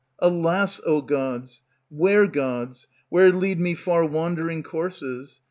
alas! O gods! Where, gods! where lead me far wandering courses?